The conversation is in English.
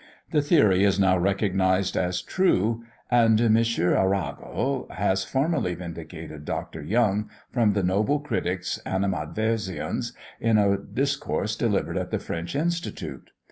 The theory is now recognised as true; and M. Arago has formally vindicated Dr. Young from the noble critic's animadversions, in a discourse delivered at the French Institute.